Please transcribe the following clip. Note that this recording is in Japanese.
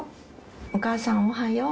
お母さん、おはよう。